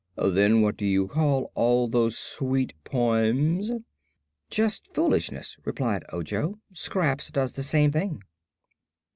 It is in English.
Then what do you call all those sweet poems?" "Just foolishness," replied Ojo. "Scraps does the same thing."